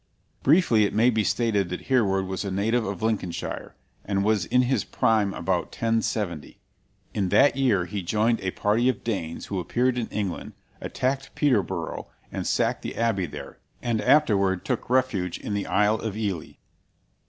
Briefly it may be stated that Hereward was a native of Lincolnshire, and was in his prime about 1070. In that year he joined a party of Danes who appeared in England, attacked Peterborough and sacked the abbey there, and afterward took refuge in the Isle of Ely.